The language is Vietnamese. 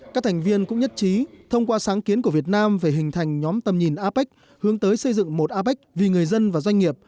các thành viên cũng nhất trí thông qua sáng kiến của việt nam về hình thành nhóm tầm nhìn apec hướng tới xây dựng một apec vì người dân và doanh nghiệp